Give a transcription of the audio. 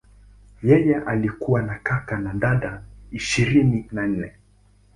Yeye alikuwa na kaka na dada ishirini na nne.